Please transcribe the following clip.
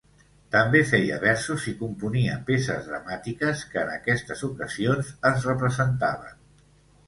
També feia versos i componia peces dramàtiques que en aquestes ocasions es representaven.